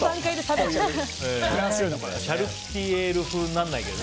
シャルキュティエール風にならないけど。